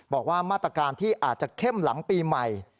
บอกว่ามาตรการที่อาจจะเข้มหลังปีใหม่